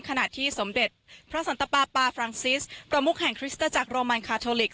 ขณะที่สมเด็จพระสันตปาปาฟรังซิสประมุกแห่งคริสตจักรโรมันคาโทลิก